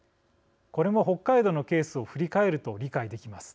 これも北海道のケースを振り返ると理解できます。